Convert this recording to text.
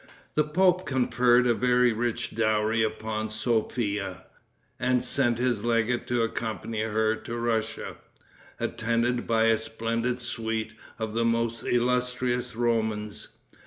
The pope conferred a very rich dowry upon Sophia, and sent his legate to accompany her to Russia, attended by a splendid suite of the most illustrious Romans.